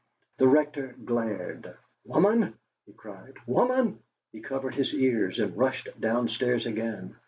The Rector glared. "Woman!" he cried "woman!" He covered his ears and rushed downstairs again.